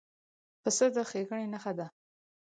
پسه د ښېګڼې نښه ده.